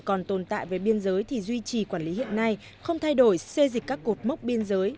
còn tồn tại về biên giới thì duy trì quản lý hiện nay không thay đổi xây dịch các cột mốc biên giới